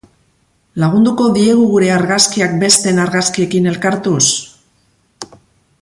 Lagunduko diegu gure argazkiak besteen argazkiekin elkartuz?